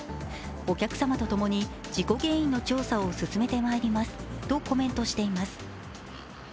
お客様と共に事故原因の調査を進めてまいりますとコメントしています。